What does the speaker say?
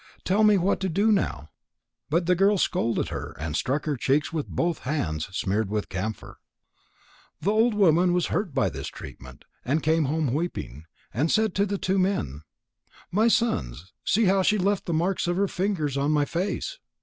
Tell me what to do now." But the girl scolded her and struck her cheeks with both hands smeared with camphor. The old woman was hurt by this treatment, and came home weeping, and said to the two men: "My sons, see how she left the marks of her fingers on my face."